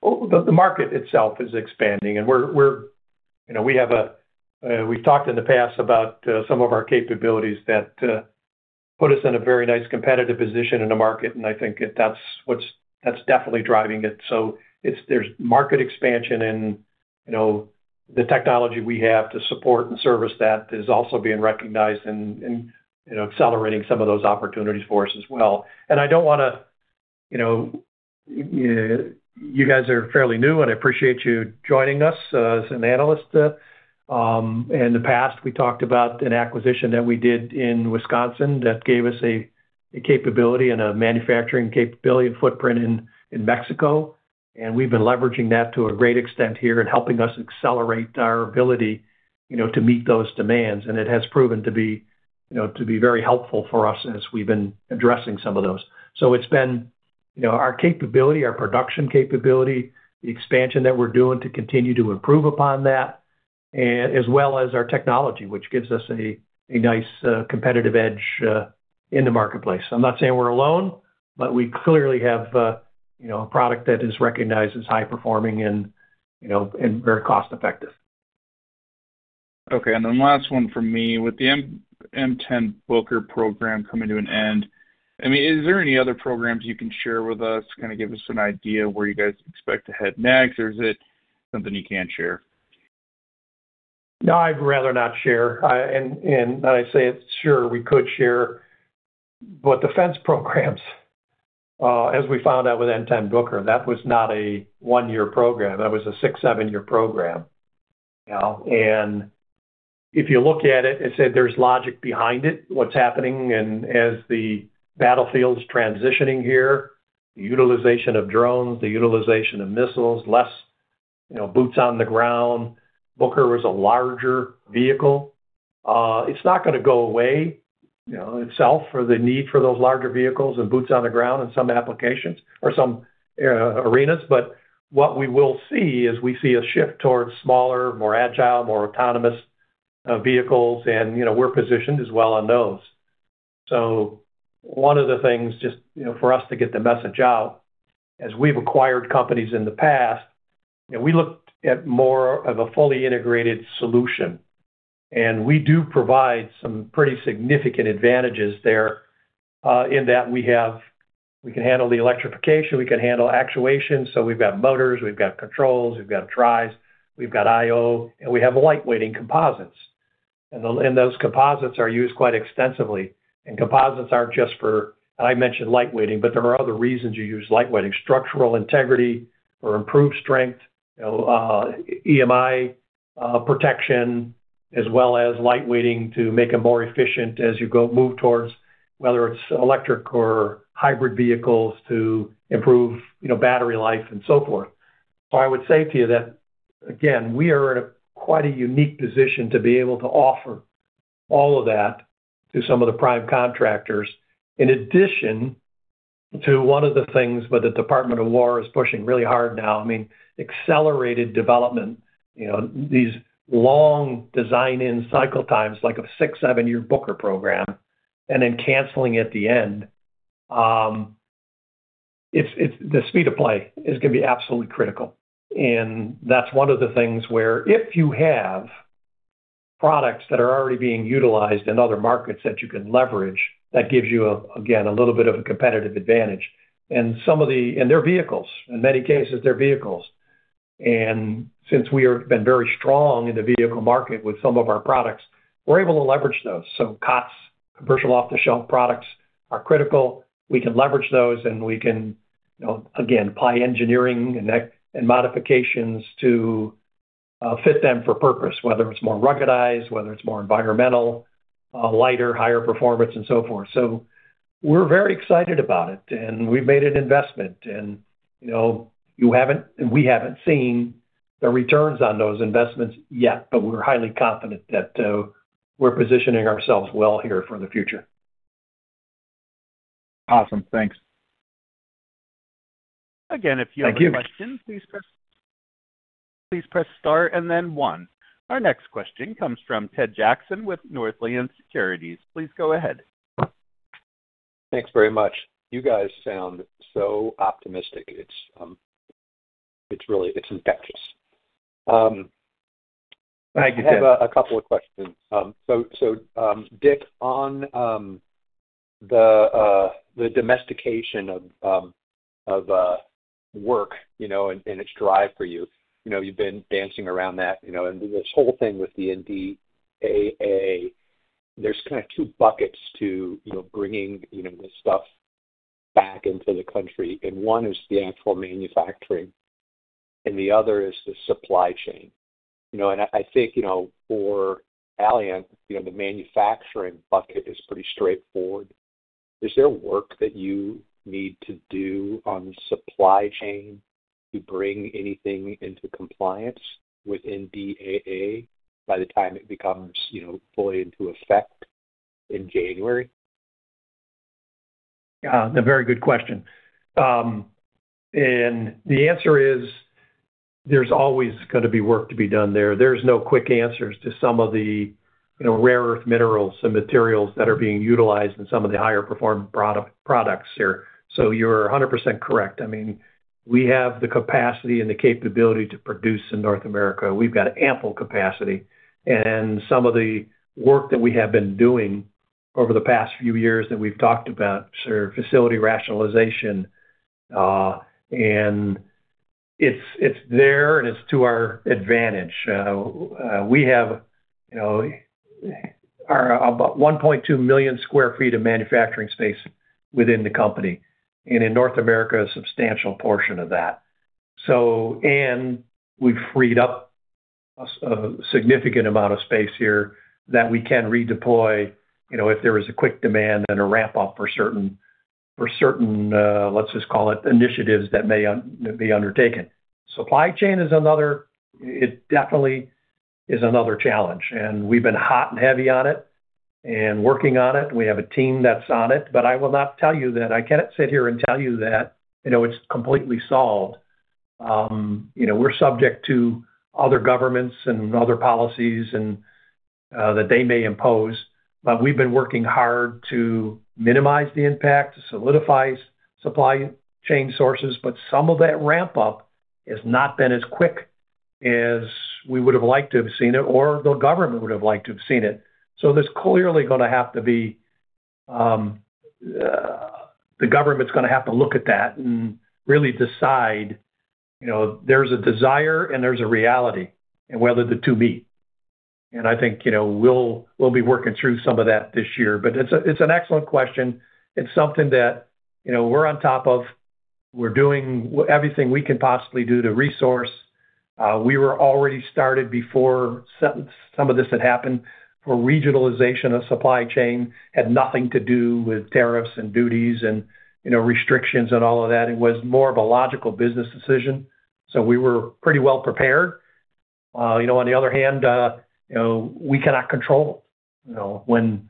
The market itself is expanding, and we're, you know, we've talked in the past about some of our capabilities that put us in a very nice competitive position in the market, and I think that that's definitely driving it. There's market expansion and, you know, the technology we have to support and service that is also being recognized and, you know, accelerating some of those opportunities for us as well. I don't wanna, you know. You guys are fairly new, and I appreciate you joining us as an analyst. In the past, we talked about an acquisition that we did in Wisconsin that gave us a capability and a manufacturing capability and footprint in Mexico. We've been leveraging that to a great extent here and helping us accelerate our ability, you know, to meet those demands. It has proven to be, you know, to be very helpful for us as we've been addressing some of those. It's been, you know, our capability, our production capability, the expansion that we're doing to continue to improve upon that, as well as our technology, which gives us a nice competitive edge in the marketplace. I'm not saying we're alone, but we clearly have, you know, a product that is recognized as high-performing and, you know, and very cost-effective. Okay. Then last one from me. With the M10 Booker program coming to an end, I mean, is there any other programs you can share with us, kinda give us an idea where you guys expect to head next, or is it something you can't share? No, I'd rather not share. Sure, we could share, but defense programs, as we found out with M10 Booker, that was not a one-year program. That was a six, seven-year program, you know. If you look at it and say there's logic behind it, what's happening, and as the battlefield's transitioning here, the utilization of drones, the utilization of missiles, less, you know, boots on the ground. Booker was a larger vehicle. It's not gonna go away, you know, itself or the need for those larger vehicles and boots on the ground in some applications or some arenas. What we will see is we see a shift towards smaller, more agile, more autonomous vehicles and, you know, we're positioned as well on those. One of the things just, you know, for us to get the message out, as we've acquired companies in the past, you know, we looked at more of a fully integrated solution, and we do provide some pretty significant advantages there, in that we can handle the electrification, we can handle actuation. We've got motors, we've got controls, we've got drives, we've got IO, and we have light-weighting composites. Those composites are used quite extensively. Composites aren't just for I mentioned light-weighting, but there are other reasons you use light-weighting. Structural integrity or improved strength, EMI protection, as well as light-weighting to make them more efficient as you move towards whether it's electric or hybrid vehicles to improve, you know, battery life and so forth. I would say to you that, again, we are in quite a unique position to be able to offer all of that to some of the prime contractors. In addition to one of the things where the Department of Defense is pushing really hard now, I mean, accelerated development, you know. These long design-in cycle times, like a six, seven-year Booker program, and then canceling at the end, it's the speed of play is gonna be absolutely critical. That's one of the things where if you have products that are already being utilized in other markets that you can leverage, that gives you, again, a little bit of a competitive advantage. They're vehicles. In many cases, they're vehicles. Since been very strong in the vehicle market with some of our products, we're able to leverage those. COTS, commercial off-the-shelf products, are critical. We can leverage those, and we can, you know, again, apply engineering and modifications to fit them for purpose, whether it's more ruggedized, whether it's more environmental, lighter, higher performance, and so forth. We're very excited about it, and we've made an investment and, you know, you haven't and we haven't seen the returns on those investments yet, but we're highly confident that we're positioning ourselves well here for the future. Awesome. Thanks. Thank you. Again, if you have any questions, please press star, please press star and then one. Our next question comes from Ted Jackson with Northland Securities. Please go ahead. Thanks very much. You guys sound so optimistic. It's really infectious. Thank you, Ted. I have a couple of questions. Dick, on the domestication of work, you know, and its drive for you. You know, you've been dancing around that, you know, and this whole thing with the NDAA, there's kind of two buckets to, you know, bringing, you know, this stuff back into the country, and one is the actual manufacturing, and the other is the supply chain. You know, I think, you know, for Allient, you know, the manufacturing bucket is pretty straightforward. Is there work that you need to do on supply chain to bring anything into compliance with NDAA by the time it becomes, you know, fully into effect in January? A very good question. The answer is. There's always gonna be work to be done there. There's no quick answers to some of the, you know, rare earth minerals and materials that are being utilized in some of the higher performing products here. You're 100% correct. I mean, we have the capacity and the capability to produce in North America. We've got ample capacity. Some of the work that we have been doing over the past few years that we've talked about, sir, facility rationalization, and it's there, and it's to our advantage. We have, you know, about 1.200,000 square feet of manufacturing space within the company, and in North America, a substantial portion of that. We've freed up a significant amount of space here that we can redeploy, you know, if there is a quick demand and a ramp-up for certain initiatives that may be undertaken. Supply chain is another challenge. We've been hot and heavy on it and working on it. We have a team that's on it. I cannot sit here and tell you that, you know, it's completely solved. You know, we're subject to other governments and other policies and that they may impose. We've been working hard to minimize the impact, to solidify supply chain sources, but some of that ramp-up has not been as quick as we would have liked to have seen it or the government would have liked to have seen it. There's clearly gonna have to be. The government's gonna have to look at that and really decide, you know, there's a desire and there's a reality, and whether the two meet. I think, you know, we'll be working through some of that this year. It's an excellent question. It's something that, you know, we're on top of. We're doing everything we can possibly do to resource. We were already started before some of this had happened for regionalization of supply chain. Had nothing to do with tariffs and duties and, you know, restrictions and all of that. It was more of a logical business decision, so we were pretty well prepared. You know, on the other hand, you know, we cannot control, you know, when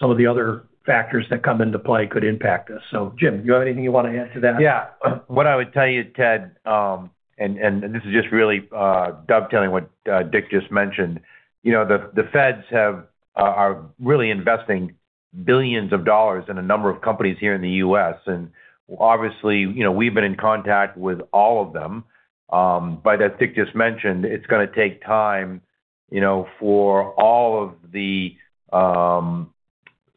some of the other factors that come into play could impact us. Jim, do you have anything you want to add to that? Yeah. What I would tell you, Ted, this is just really dovetailing what Dick just mentioned. You know, the feds are really investing billions of dollars in a number of companies here in the U.S. Obviously, you know, we've been in contact with all of them. As Dick just mentioned, it's gonna take time, you know, for all of the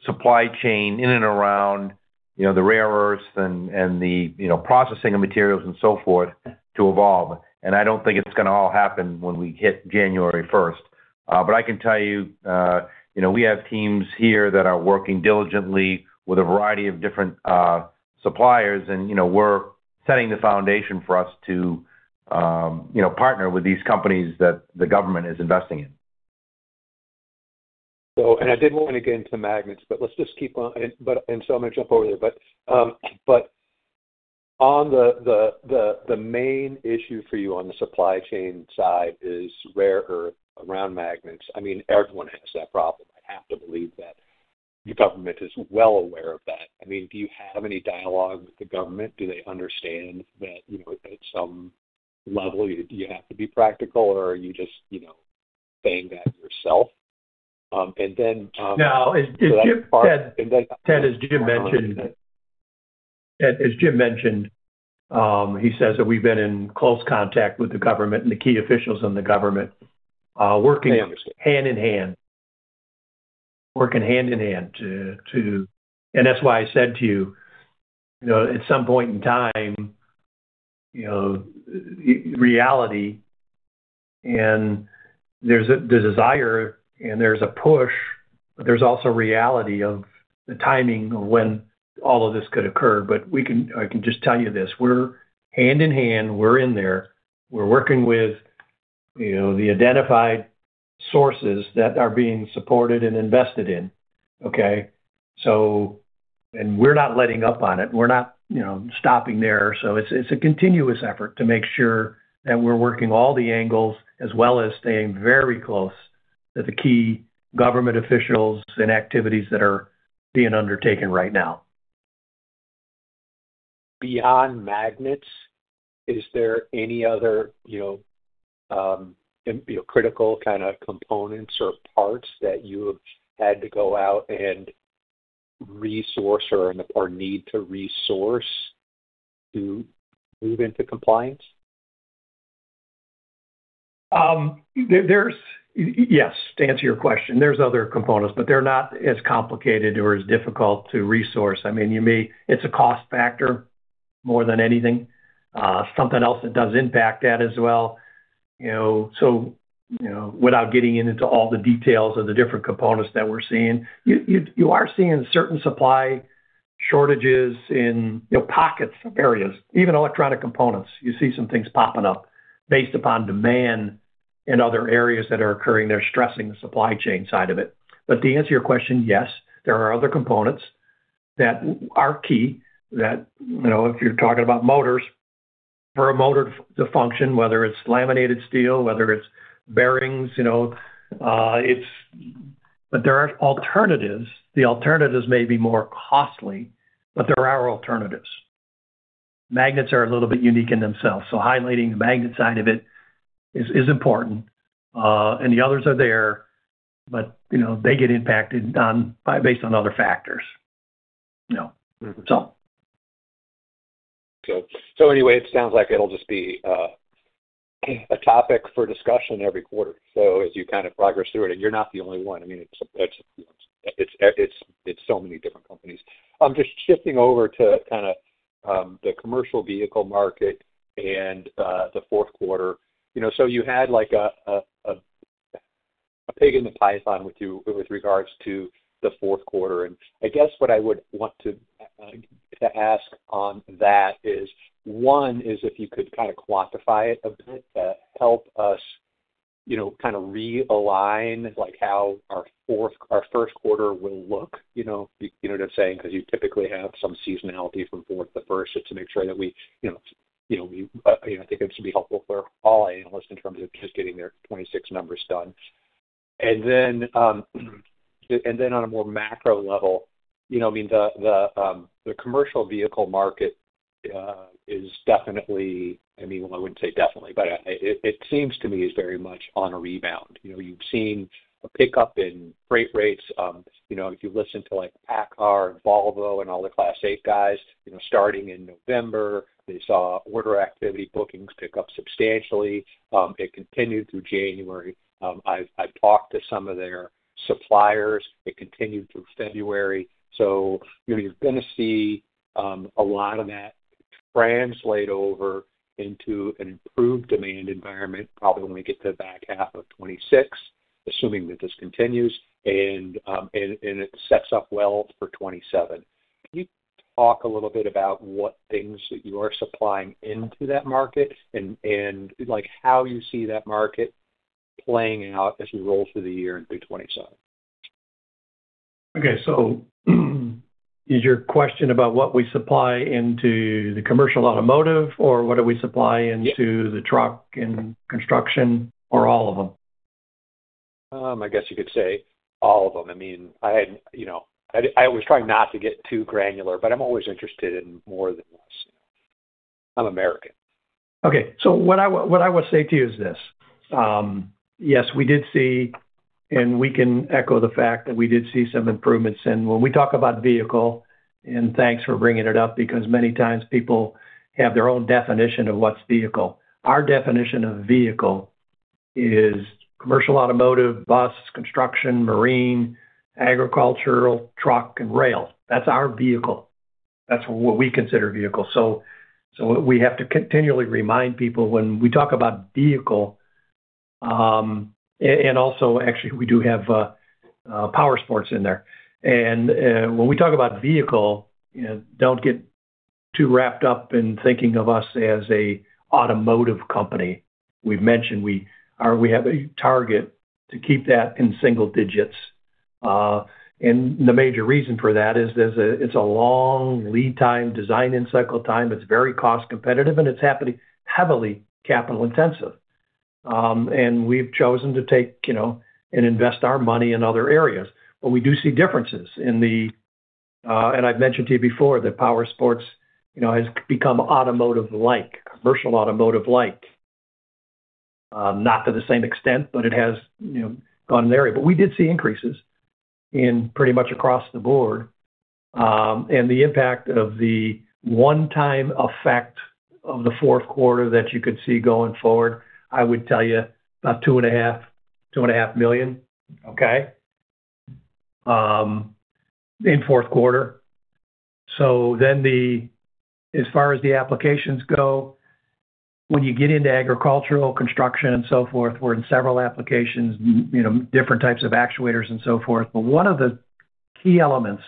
supply chain in and around, you know, the rare earths and the, you know, processing of materials and so forth to evolve. I don't think it's gonna all happen when we hit January first. I can tell you know, we have teams here that are working diligently with a variety of different suppliers. You know, we're setting the foundation for us to, you know, partner with these companies that the government is investing in. I didn't want to get into magnets, but let's just keep on. I'm gonna jump over there. On the, the main issue for you on the supply chain side is rare earth around magnets. I mean, everyone has that problem. I have to believe that the government is well aware of that. I mean, do you have any dialogue with the government? Do they understand that, you know, at some level, you have to be practical, or are you just, you know, saying that yourself? No. As Jim, Ted, as Jim mentioned, he says that we've been in close contact with the government and the key officials in the government, working hand in hand. Working hand in hand to. That's why I said to you know, at some point in time, you know, reality and the desire and there's a push, there's also reality of the timing of when all of this could occur. I can just tell you this. We're hand in hand. We're in there. We're working with, you know, the identified sources that are being supported and invested in. Okay? We're not letting up on it. We're not, you know, stopping there. It's a continuous effort to make sure that we're working all the angles as well as staying very close to the key government officials and activities that are being undertaken right now. Beyond magnets, is there any other, you know, you know, critical kind of components or parts that you've had to go out and resource or need to resource to move into compliance? Yes, to answer your question, there's other components, but they're not as complicated or as difficult to resource. I mean, it's a cost factor more than anything. Something else that does impact that as well, you know. You know, without getting into all the details of the different components that we're seeing, you are seeing certain supply shortages in, you know, pockets of areas, even electronic components. You see some things popping up based upon demand in other areas that are occurring. They're stressing the supply chain side of it. To answer your question, yes, there are other components that are key that, you know, if you're talking about motors, for a motor to function, whether it's laminated steel, whether it's bearings, you know, there are alternatives. The alternatives may be more costly, but there are alternatives. Magnets are a little bit unique in themselves, so highlighting the magnet side of it is important. And the others are there but, you know, they get impacted by based on other factors, you know. Anyway, it sounds like it'll just be a topic for discussion every quarter. As you kind of progress through it, and you're not the only one. I mean, it's so many different companies. I'm just shifting over to kinda the commercial vehicle market and the Q4. You know, you had like a pig in the python with you with regards to the Q4. I guess what I would want to ask on that is, one, is if you could kinda quantify it a bit to help us, you know, kinda realign, like, how our Q1 will look. You know what I'm saying, 'cause you typically have some seasonality from fourth to first just to make sure that we, you know, you know, You know, I think it would just be helpful for all analysts in terms of just getting their 2026 numbers done. On a more macro level, you know, I mean, the commercial vehicle market is definitely, I mean, well, I wouldn't say definitely, but it seems to me is very much on a rebound. You know, you've seen a pickup in freight rates. You know, if you listen to, like, PACCAR and Volvo and all the Class 8 guys, you know, starting in November, they saw order activity bookings pick up substantially. It continued through January. I've talked to some of their suppliers. It continued through February. You know, you're gonna see a lot of that translate over into an improved demand environment probably when we get to the back half of 2026, assuming that this continues, and it sets up well for 2027. Can you talk a little bit about what things that you are supplying into that market and like how you see that market playing out as we roll through the year and through 2027? Okay, is your question about what we supply into the commercial automotive, or what do we supply? Yeah. Into the truck and construction, or all of them? I guess you could say all of them. I mean, you know, I was trying not to get too granular, but I'm always interested in more than less. I'm American. Okay. What I will say to you is this. Yes, we did see and we can echo the fact that we did see some improvements. When we talk about vehicle, and thanks for bringing it up because many times people have their own definition of what's vehicle. Our definition of vehicle is commercial automotive, bus, construction, marine, agricultural, truck, and rail. That's our vehicle. That's what we consider vehicle. So we have to continually remind people when we talk about vehicle. And also, actually we do have powersports in there. And when we talk about vehicle, you know, don't get too wrapped up in thinking of us as an automotive company. We've mentioned we have a target to keep that in single digits. The major reason for that is it's a long lead time design and cycle time, it's very cost competitive, and it's heavily capital intensive. We've chosen to take, you know, and invest our money in other areas. We do see differences in the, and I've mentioned to you before that powersports, you know, has become automotive-like, commercial automotive-like. Not to the same extent, but it has, you know, gone there. We did see increases in pretty much across the board. The impact of the one-time effect of the Q4 that you could see going forward, I would tell you about 2,500,000. Okay. In Q4. As far as the applications go, when you get into agricultural, construction, and so forth, we're in several applications, you know, different types of actuators and so forth. One of the key elements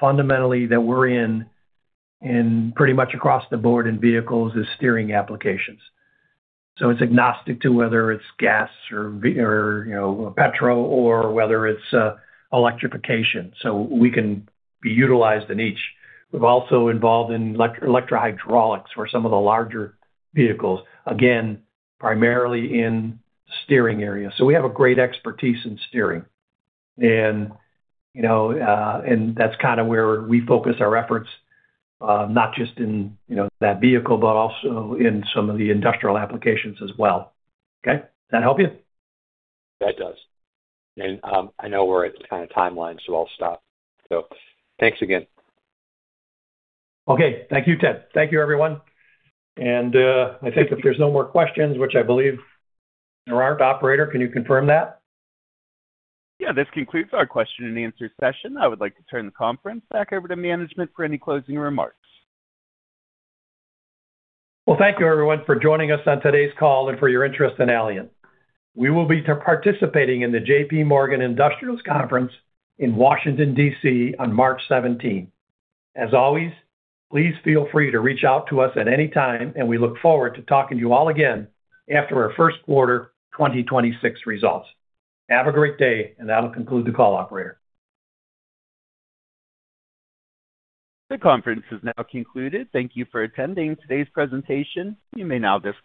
fundamentally that we're in in pretty much across the board in vehicles is steering applications. It's agnostic to whether it's gas or or, you know, petrol or whether it's electrification. We can be utilized in each. We're also involved in electrohydraulics for some of the larger vehicles, again, primarily in steering area. We have a great expertise in steering. You know, and that's kinda where we focus our efforts, not just in, you know, that vehicle, but also in some of the industrial applications as well. Okay? Does that help you? That does. I know we're at kinda timeline, so I'll stop. Thanks again. Okay. Thank you, Ted. Thank you, everyone. I think if there's no more questions, which I believe there aren't. Operator, can you confirm that? Yeah. This concludes our question and answer session. I would like to turn the conference back over to management for any closing remarks. Well, thank you everyone for joining us on today's call and for your interest in Allient. We will be participating in the JPMorgan Industrials Conference in Washington, D.C. on March 17th. As always, please feel free to reach out to us at any time, and we look forward to talking to you all again after our Q1 2026 results. Have a great day, and that'll conclude the call, operator. The conference is now concluded. Thank you for attending today's presentation. You may now disconnect.